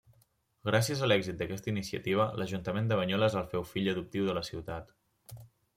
Gràcies a l’èxit d'aquesta iniciativa, l'Ajuntament de Banyoles el feu Fill Adoptiu de la Ciutat.